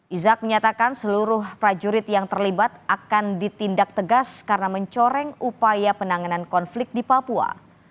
izak menyatakan seluruh prajurit yang terlibat akan ditindak tegas karena mencoreng upaya penanganan konflik di papua